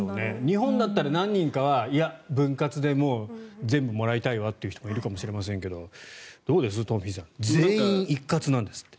日本だったら何人かは分割でも全部もらいたいわって人もいるかもしれませんがどうです、トンフィさん全員一括なんですって。